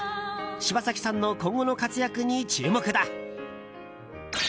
柴咲さんの今後の活躍に注目だ。